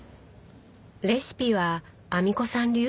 レシピは阿美子さん流？